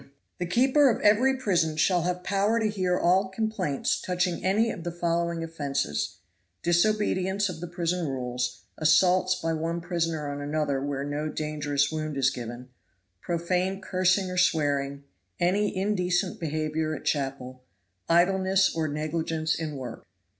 'The keeper of every prison shall have power to hear all complaints touching any of the following offenses: Disobedience of the prison rules, assaults by one prisoner on another where no dangerous wound is given, profane cursing or swearing, any indecent behavior at chapel, idleness or negligence in work.